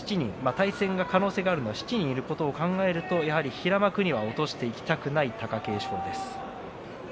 対戦の可能性があるのが７人いることを考えると平幕には落としていきたくない貴景勝です。